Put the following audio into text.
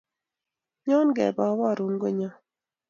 Nyon kepe aparun konyon